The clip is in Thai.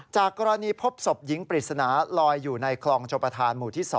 จากกรณีพบศพหญิงปริศนาลอยอยู่ในคลองชมประธานหมู่ที่๒